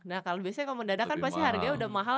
nah kalo biasanya kalo mendadak kan pasti harganya udah mahal